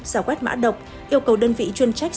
giả quét mã độc yêu cầu đơn vị chuyên trách